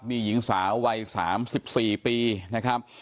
มีหญิงสาววัย๓๔ปีนะครับ